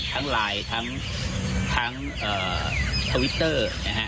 ทั้งไลน์ทั้งทวิตเตอร์นะฮะ